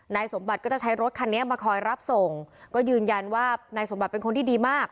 นายสมบัติก็จะใช้รถคันนี้มาคอยรับส่งก็ยืนยันว่านายสมบัติเป็นคนที่ดีมาก